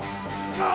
ああ。